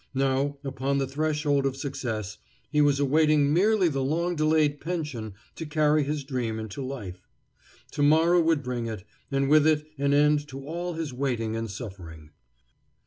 Now, upon the threshold of success, he was awaiting merely the long delayed pension to carry his dream into life. To morrow would bring it, and with it an end to all his waiting and suffering.